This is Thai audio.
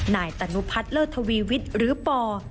นายตนุพัฒน์เลิศทวีวิทย์หรือปอ